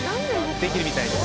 できるみたいです。